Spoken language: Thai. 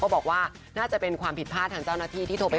ก็โทรถามจากกรธมรนะคะ